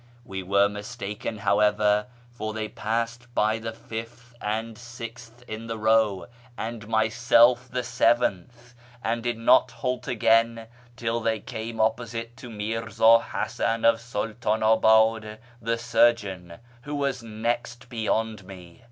We were mistaken, however, for they passed by the fifth and sixth in the row, and myself (the seventh), and did not halt again till they came opposite to Mfrzd Hasan of Sultanabad, the surgeon, who was next beyond me.